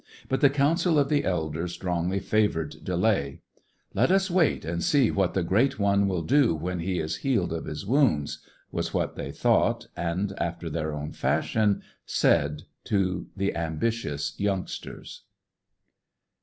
But the counsel of the elders strongly favoured delay. "Let us wait and see what the Great One will do when he is healed of his wounds," was what they thought, and, after their own fashion, said to the ambitious youngsters.